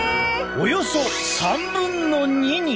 およそ３分の２に！